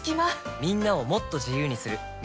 みんなをもっと自由にする「三菱冷蔵庫」